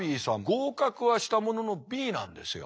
合格はしたもののＢなんですよ。